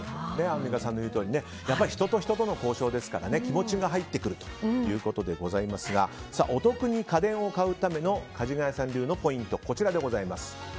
アンミカさんの言うとおりやっぱり人と人との交渉ですから気持ちが入ってくるということでございますがお得に家電を買うためのかじがやさん流のポイントです。